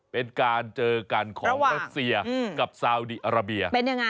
เป็นการเจอกันของรัสเซียกับซาวดีอาราเบีย